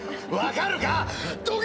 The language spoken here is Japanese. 分かるか？